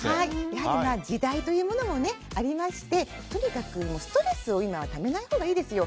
やはり時代というものもありましてとにかくストレスを今はためないほうがいいですよ。